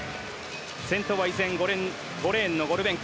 先頭は５レーンのゴルベンコ。